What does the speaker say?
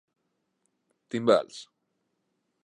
Timbals.